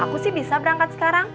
aku sih bisa berangkat sekarang